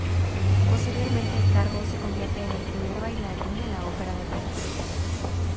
Posteriormente, Cardo se convierte en el primer bailarín en la Ópera de París.